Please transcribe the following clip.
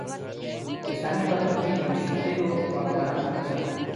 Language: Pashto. په اسلامي هیوادونو کې د مستبدو واکدارانو پر ضد.